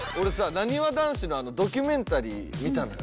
なにわ男子のドキュメンタリー見たのよ。